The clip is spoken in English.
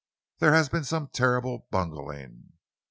There has been some terrible bungling!"